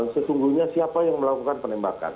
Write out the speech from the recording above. sesungguhnya siapa yang melakukan penembakan